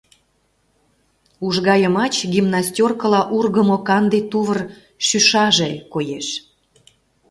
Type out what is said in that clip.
Ужга йымач гимнастёркыла ургымо канде тувыр шӱшаже коеш.